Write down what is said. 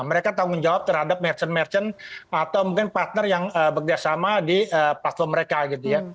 mereka tanggung jawab terhadap merchant merchant atau mungkin partner yang bekerjasama di platform mereka gitu ya